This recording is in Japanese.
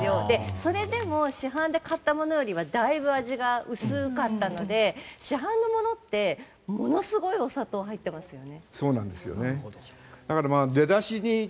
それでも市販で買ったものよりはだいぶ味が薄かったので市販のものって、ものすごいお砂糖入ってますよね。